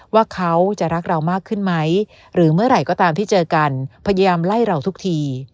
ว่าเขาจะรักเรามากขึ้นไหมหรือเมื่อไหร่ก็ตามที่เจอกันพยายามไล่เราทุกที